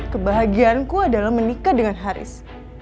kebahagiaanku adalah menikah dengan haris